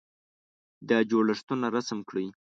دا جوړښتونه رسم کړئ.